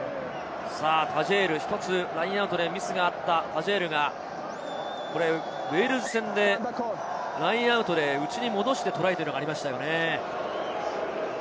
タジェール、１つラインアウトでミスがあったタジェールがウェールズ戦でラインアウトで内に戻してトライというのがありましたよね。